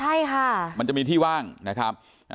ใช่ค่ะมันจะมีที่ว่างนะครับ